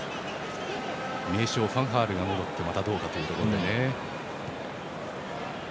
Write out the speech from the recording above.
名将ファンハールが戻ってまたどうかというところで。